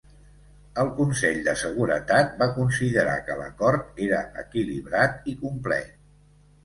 El Consell de Seguretat va considerar que l'acord era equilibrat i complet.